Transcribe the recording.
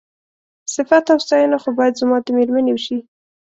صيفت او ستاينه خو بايد زما د مېرمنې وشي.